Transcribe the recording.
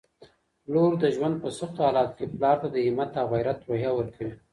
لور د ژوند په سختوحالاتو کي پلار ته د همت او غیرت روحیه ورکوي